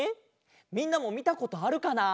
みんなもみたことあるかな？